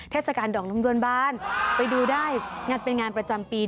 เทศกาลดอกลำดวนบานไปดูได้เป็นงานประจำปี